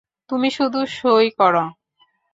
তুমি শুধু সঁই করো।